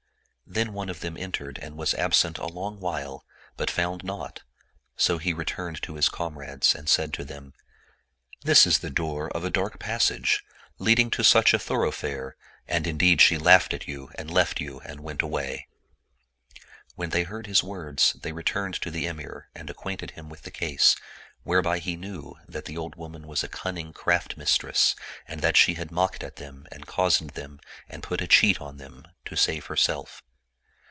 Then one of them entered and was absent a long while, but found naught; so he returned to his comrades and said to them, ''This is the door of a dark passage, leading to such a thoroughfare; and indeed she laughed at you and left you and went away," When they heard his words, they re turned to the Emir and acquainted him with the case, whereby he knew that the old woman was a cunning craft mistress and that she had mocked at them and cozened them and put a cheat on them, to save herself.